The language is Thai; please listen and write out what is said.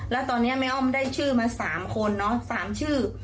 แล้วตอนนี้แม่อ้อมได้ชื่อมา๓คนน้อง๓ชื่อ